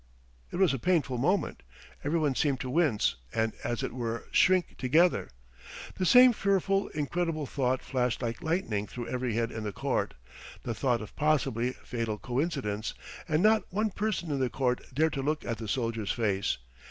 It was a painful moment! Everyone seemed to wince and as it were shrink together. The same fearful, incredible thought flashed like lightning through every head in the court, the thought of possibly fatal coincidence, and not one person in the court dared to look at the soldier's face.